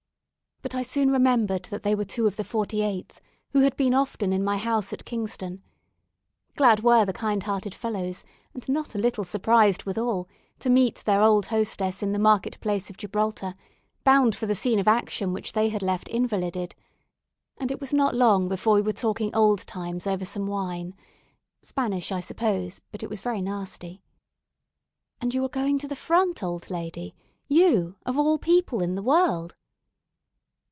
But I soon remembered that they were two of the 48th, who had been often in my house at Kingston. Glad were the kind hearted fellows, and not a little surprised withal, to meet their old hostess in the market place of Gibraltar, bound for the scene of action which they had left invalided; and it was not long before we were talking old times over some wine Spanish, I suppose but it was very nasty. "And you are going to the front, old lady you, of all people in the world?"